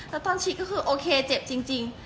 แล้วตอนฉีดก็คือโอเคเจ็บจริง